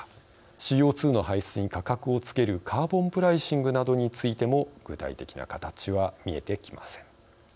ＣＯ２の排出に価格をつけるカーボン・プライシングなどについても具体的な形は見えてきません。